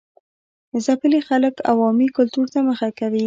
ځپلي خلک عوامي کلتور ته مخه کوي.